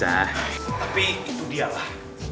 tapi itu dia lah